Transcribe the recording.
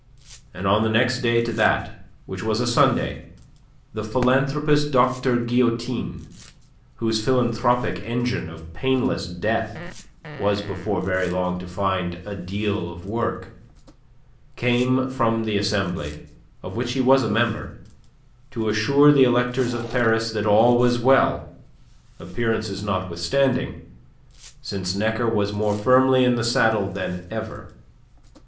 And on the next day to that, which was a Sunday, the philanthropist Dr. Guillotin whose philanthropic engine of painless death was before very long to find a deal of work came from the Assembly, of which he was a member, to assure the electors of Paris that all was well, appearances notwithstanding, since Necker was more firmly in the saddle than ever.